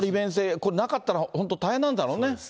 これ、なかったら本当、大変なんそうです。